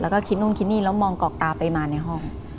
แล้วก็คิดนู่นคิดนี่แล้วมองกรอกตาไปมาในห้อง